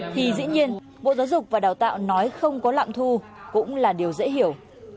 thì dĩ nhiên bộ giáo dục và đào tạo nói không có lạm thu cũng là điều dễ hiểu